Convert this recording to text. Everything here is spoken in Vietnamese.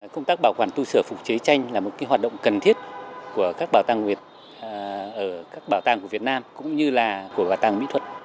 công tác bảo quản tù sửa phục chế tranh là một hoạt động cần thiết của các bảo tàng việt nam cũng như là của bảo tàng mỹ thuật